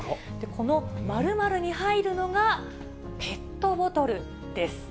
この○○に入るのが、ペットボトルです。